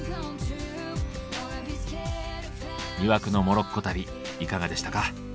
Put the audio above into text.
魅惑のモロッコ旅いかがでしたか。